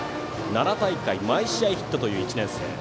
奈良大会、毎試合ヒットという１年生。